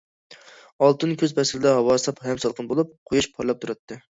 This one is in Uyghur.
ئالتۇن كۈز پەسلىدە، ھاۋا ساپ ھەم سالقىن بولۇپ، قۇياش پارلاپ تۇراتتى.